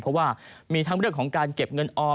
เพราะว่ามีทั้งเรื่องของการเก็บเงินออม